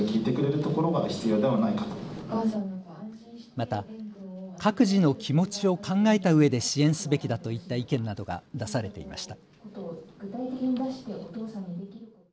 また各自の気持ちを考えたうえで支援すべきだといった意見などが出されていました。